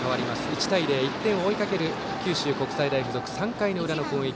１対０と１点を追いかける九州国際大付属３回の裏の攻撃。